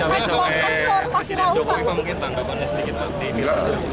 pak jokowi pak mungkin tanggapannya sedikit